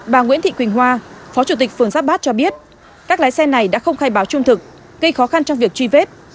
bà nguyễn thị quỳnh hoa phó chủ tịch phường giáp bát cho biết các lái xe này đã không khai báo trung thực gây khó khăn trong việc truy vết